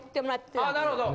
ああなるほど。